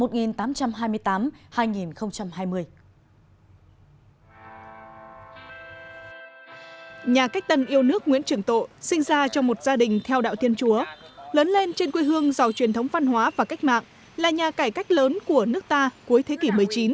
nhà cách tân yêu nước nguyễn trường tộ sinh ra trong một gia đình theo đạo thiên chúa lớn lên trên quê hương giàu truyền thống văn hóa và cách mạng là nhà cải cách lớn của nước ta cuối thế kỷ một mươi chín